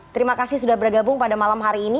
terima kasih sudah bergabung pada malam hari ini